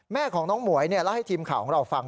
แม่ของน้องหมวยเล่าให้ทีมข่าวของเราฟัง